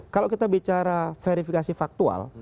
kalau kita bicara verifikasi faktual